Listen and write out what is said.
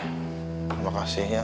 terima kasih ya